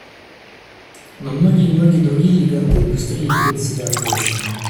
Но многие и многие другие гиганты индустрии ведут себя ответственно.